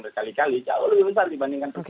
berkali kali jauh lebih besar dibandingkan